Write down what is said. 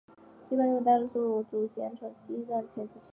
一般认为大多数土着部落群体的祖先从西藏迁移到此。